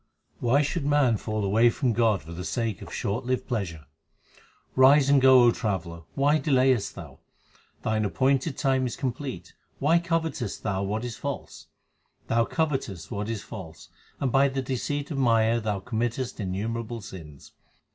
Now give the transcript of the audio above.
Why should man fall away from God for the sake of short lived pleasure ? Rise and go, O traveller, 1 why delay est thou ? Thine appointed time is complete ; why covetest thou what is false ? Thou covetest what is false, and by the deceit of Maya thou committest innumerable sins.